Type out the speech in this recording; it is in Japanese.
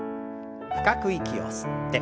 深く息を吸って。